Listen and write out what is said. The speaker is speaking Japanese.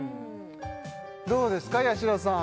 どうですかやしろさん